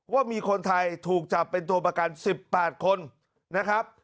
ว่ามีคนไทยถูกจับเป็นตัวประกัน๑๘คนนะครับ